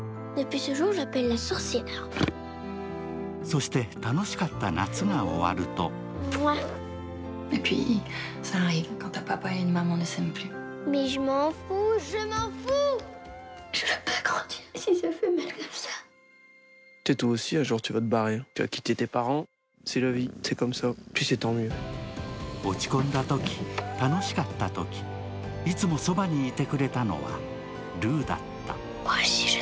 そして楽しかった夏が終わると落ち込んだとき、楽しかったとき、いつもそばにいてくれたのはルーだった。